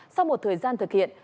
sau một thời gian thực hiện